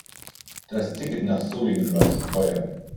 Das Ticket nach Solingen war zu teuer